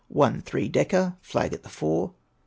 One three decker Flag at the fore.